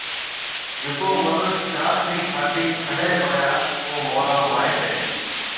جڪو مِنک شاخ رِي کهاٽِي کڻيَ پڙيا او مهورا مائيٽ هيَ۔